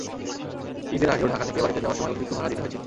ঈদের আগেও ঢাকা থেকে বাড়িতে যাওয়ার সময় অতিরিক্ত ভাড়া দিতে হয়েছিল।